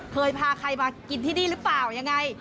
เคยพาใครมากินที่นี่หรือเปล่ายังไง